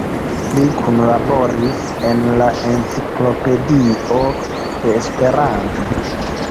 Li kunlaboris en la Enciklopedio de Esperanto.